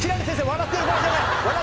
笑ってる場合じゃない。